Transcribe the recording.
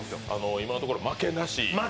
今のところ負けなし。